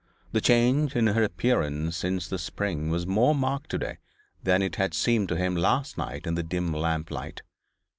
The change in her appearance since the spring was more marked to day than it had seemed to him last night in the dim lamplight.